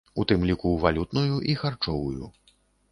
У тым ліку валютную і харчовую.